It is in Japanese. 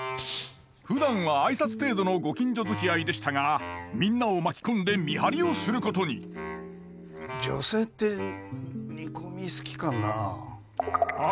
ふだんは挨拶程度のご近所づきあいでしたがみんなを巻き込んで見張りをすることに女性って煮込み好きかなあ。